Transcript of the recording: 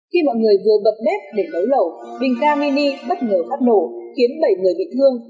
khi mọi người vừa bật bếp để đấu lẩu bình ga mini bất ngờ phát nổ khiến bảy người bị thương